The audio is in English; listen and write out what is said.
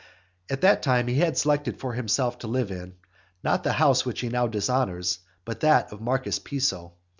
At that time he had selected for himself to live in, not the house which he now dishonours, but that of Marcus Piso.